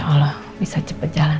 gak ada apa apa